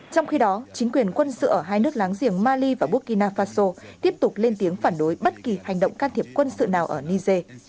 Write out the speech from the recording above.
trong khi đó chính quyền quân sự ở hai nước láng giềng mali và burkina faso tiếp tục lên tiếng phản đối bất kỳ hành động can thiệp quân sự nào ở niger